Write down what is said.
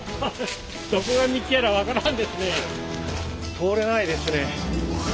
通れないですね。